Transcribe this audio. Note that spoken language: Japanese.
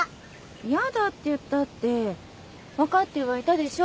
やだって言ったって分かってはいたでしょ？